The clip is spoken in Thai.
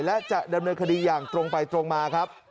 และจะดำเนินคดีอย่างตรงไปตรงมาครับ